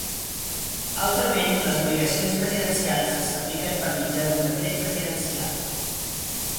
Altrament, les obligacions presidencials s'apliquen per mitjà d'un decret presidencial.